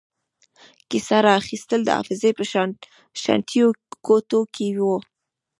کیسه را اخیستل د حافظې په شاتنیو کوټو کې وو.